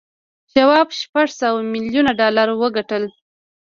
شواب شپږ سوه میلیون ډالر وګټل